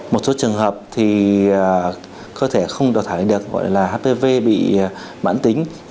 một số trường hợp thì cơ thể không đào thải được gọi là hpv bị bản tính